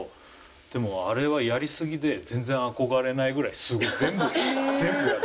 でもあれはやり過ぎで全然憧れないぐらいすごい全部やる。